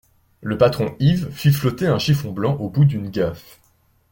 Le patron Yves fit flotter un chiffon blanc au bout d'une gaffe.